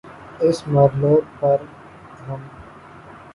اس مرحلے پر مریم